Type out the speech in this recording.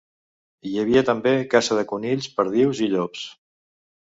Hi havia també caça de conills, perdius i llops.